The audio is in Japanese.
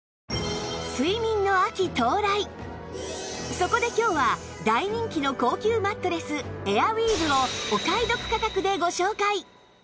そこで今日は大人気の高級マットレスエアウィーヴをお買い得価格でご紹介！